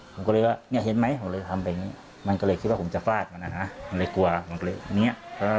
ผมก็เลยว่าเนี่ยเห็นไหมผมเลยทำไปอย่างนี้มันก็เลยคิดว่าผมจะฟาดมันนะฮะมันเลยกลัวผมก็เลยเนี่ย